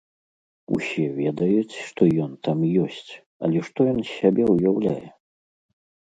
Усе ведаюць, што ён там ёсць, але што ён з сябе ўяўляе?